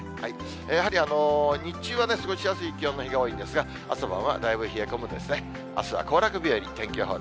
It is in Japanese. やはり日中は過ごしやすい気温の日が多いんですが、朝晩はだいぶ冷え込むんですね。